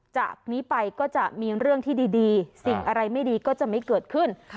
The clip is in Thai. จากนี้ไปก็จะมีเรื่องที่ดีสิ่งอะไรไม่ดีก็จะไม่เกิดขึ้น